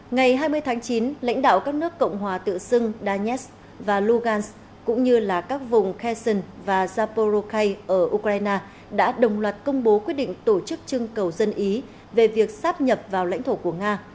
ngày hai mươi tháng chín lãnh đạo các nước cộng hòa tự xưng danetsk và lugan cũng như là các vùng kenson và japorcai ở ukraine đã đồng loạt công bố quyết định tổ chức trưng cầu dân ý về việc sắp nhập vào lãnh thổ của nga